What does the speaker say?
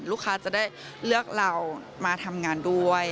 ลูกค้าจะได้เลือกเรามาทำงานด้วย